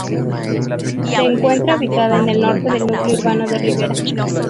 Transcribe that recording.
Se encuentra ubicada en el norte del núcleo urbano de Rivera.